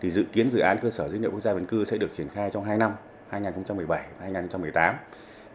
dự kiến dự án cơ sở dữ liệu quốc gia dân cư sẽ được triển khai trong hai năm hai nghìn một mươi bảy hai nghìn một mươi tám